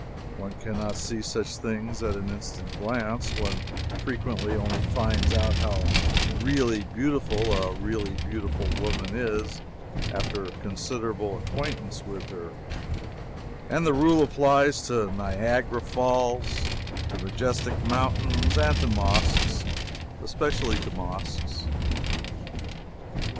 One can not see such things at an instant glance one frequently only finds out how really beautiful a really beautiful woman is after considerable acquaintance with her; and the rule applies to Niagara Falls, to majestic mountains and to mosques especially to mosques.